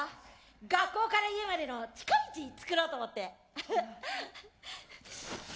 学校から家までの近道作ろうと思って。